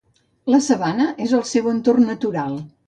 La sabana és el seu entorn natural.